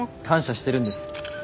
感謝してるんです。